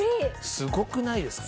すごくないですか？